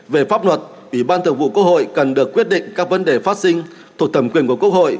về pháp luật ủy ban thường vụ quốc hội cần được quyết định các vấn đề phát sinh thuộc thẩm quyền của quốc hội